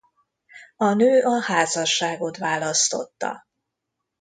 A nő a házasságot választotta.